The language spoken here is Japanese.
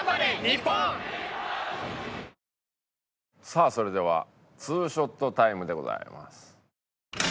さあそれでは２ショットタイムでございます。